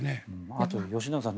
あと吉永さん